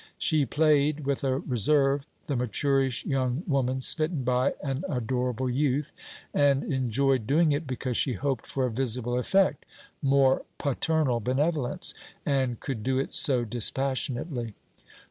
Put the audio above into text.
She played, with a reserve, the maturish young woman smitten by an adorable youth; and enjoyed doing it because she hoped for a visible effect more paternal benevolence and could do it so dispassionately.